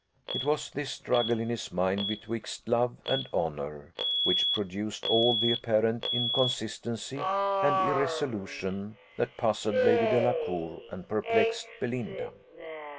It was this struggle in his mind betwixt love and honour which produced all the apparent inconsistency and irresolution that puzzled Lady Delacour and perplexed Belinda.